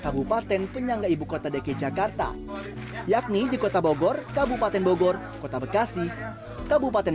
kabupaten penyangga ibu kota dki jakarta yakni di kota bogor kabupaten bogor kota bekasi kabupaten